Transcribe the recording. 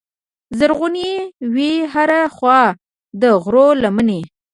زرغونې وې هره خوا د غرو لمنې